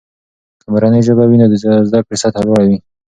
که مورنۍ ژبه وي، نو د زده کړې سطحه لوړه وي.